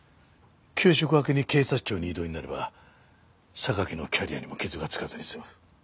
休職明けに警察庁に異動になれば榊のキャリアにも傷が付かずに済む。